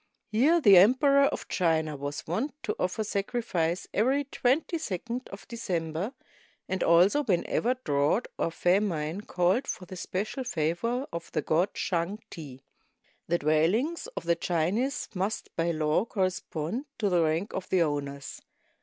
Here the Emperor of China was wont to offer sacrifice every twenty second of December, and also whenever drought or famine called for the special favor of the god Shang ti. The dwellings of the Chinese must by law correspond to the rank of the owners.